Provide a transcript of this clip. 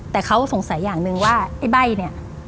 แต่เขาสงสัยอย่างหนึ่งว่าไอ้ใบ้เนี่ย